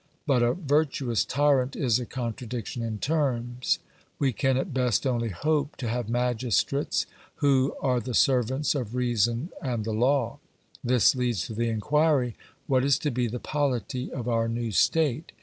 But a virtuous tyrant is a contradiction in terms; we can at best only hope to have magistrates who are the servants of reason and the law. This leads to the enquiry, what is to be the polity of our new state.